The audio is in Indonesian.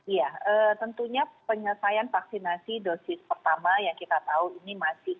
iya tentunya penyelesaian vaksinasi dosis pertama yang kita tahu ini masih